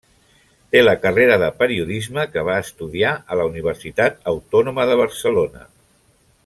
Té la carrera de Periodisme, que va estudiar a la Universitat Autònoma de Barcelona.